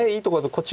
こっち